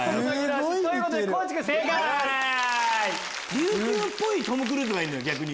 琉球っぽいトム・クルーズがいるのよ逆に。